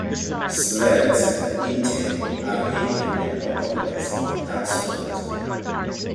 Slats, in turn, are heavier and more complex than slots.